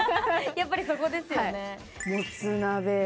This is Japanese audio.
やっぱりそこですよね。